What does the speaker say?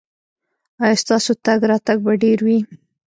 ایا ستاسو تګ راتګ به ډیر وي؟